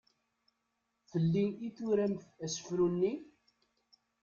Fell-i i turamt asefru-nni?